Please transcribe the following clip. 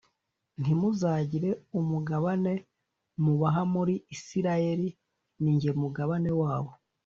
ntimuzagire umugabane mubaha muri isirayeli ni jye mugabane wabo